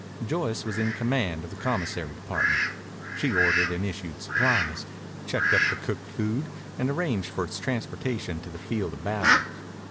Joyce was in command of the commissary department. She ordered and issued supplies, checked up the cooked food, and arranged for its transportation to the field of battle.